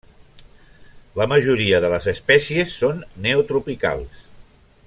La majoria de les espècies són neotropicals.